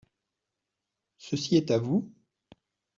Ceci est à vous ?